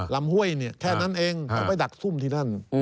ห้วยเนี่ยแค่นั้นเองเขาไปดักซุ่มที่นั่น